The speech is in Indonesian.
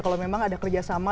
kalau memang ada kerjasama